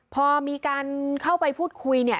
พอมีการเข้าไปพูดคุยเนี่ย